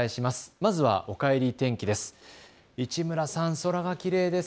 まずは、おかえり天気です。